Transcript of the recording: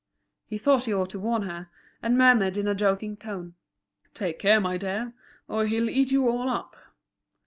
He thought he ought to warn her, and murmured in a joking tone: "Take care, my dear, or he'll eat you all up."